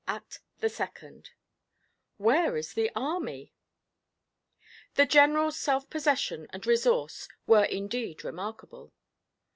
ACT THE SECOND WHERE IS THE ARMY? The General's self possession and resource were indeed remarkable.